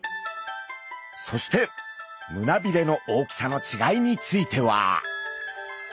そして胸びれの大きさの違いについては。